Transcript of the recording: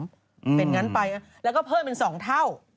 เป็นงั้นไปนะแล้วก็เพิ่มเป็น๒เท่า